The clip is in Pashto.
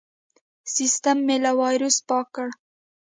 سیستم مې له وایرس پاک کړ.